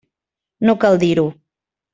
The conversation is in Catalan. No cal dir-ho.